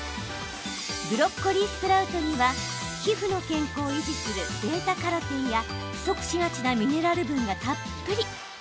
ブロッコリースプラウトには皮膚の健康を維持するβ−カロテンや、不足しがちなミネラル分がたっぷり！